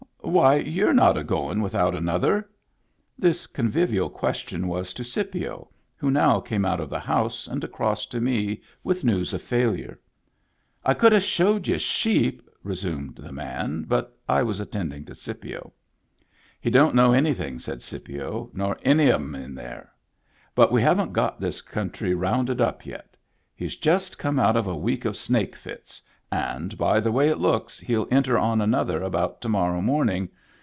Why, you're not a going without an other ?" This convivial question was to Scipio, who now came out of the house and across to me with news of failure. " I could a showed you sheep —" resumed the man, but I was attending to Scipio. " He don't know anything," said Scipio, " nor any of 'em in there. But we haven't got this country rounded up yet. He's just come out of a week of snake fits, and, by the way it looks, he'll enter on another about to morrow morning.